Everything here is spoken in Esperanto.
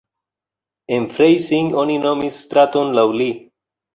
En Freising oni nomis straton laŭ li.